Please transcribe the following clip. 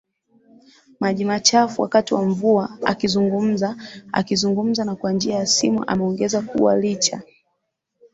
maji machafu wakati wa mvua AkizungumzaAkizungumza na kwa njia ya simu ameongeza kuwa licha